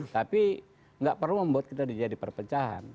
tapi enggak perlu membuat kita menjadi perpecahan